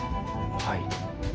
はい。